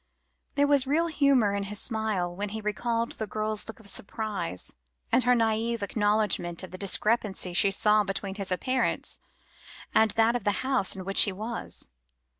There was real humour in his smile when he recalled the girl's look of surprise, and her naïve acknowledgment of the discrepancy she saw between his appearance, and that of the house in which he was.